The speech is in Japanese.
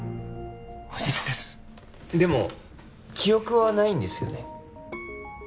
無実ですでも記憶はないんですよね？